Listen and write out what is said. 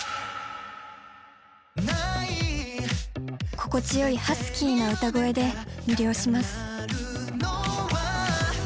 心地よいハスキーな歌声で魅了します。